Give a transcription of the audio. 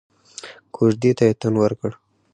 کوژدې ته يې تن ورکړ.